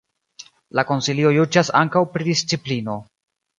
La Konsilio juĝas ankaŭ pri disciplino.